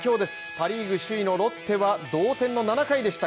パ・リーグ首位のロッテは同点の７回でした